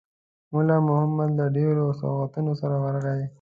مُلا محمد له ډېرو سوغاتونو سره ورغی.